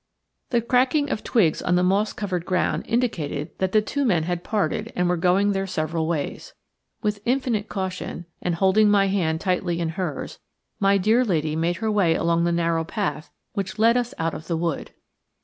The cracking of twigs on the moss covered ground indicated that the two men had parted and were going their several ways. With infinite caution, and holding my hand tightly in hers, my dear lady made her way along the narrow path which led us out of the wood.